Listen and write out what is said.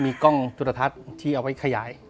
มีกล้องจุลทัศน์ที่เอาไว้ขยาย